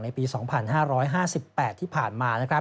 ในปี๒๕๕๘ที่พาดมา